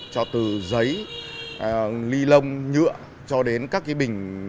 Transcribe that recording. cho từ giấy ly lông nhựa cho đến các cái bình